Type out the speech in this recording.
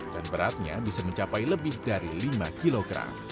dan beratnya bisa mencapai lebih dari lima kg